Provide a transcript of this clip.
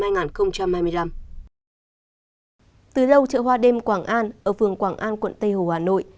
từ lâu chợ hoa đêm quảng an ở phường quảng an quận tây hồ hà nội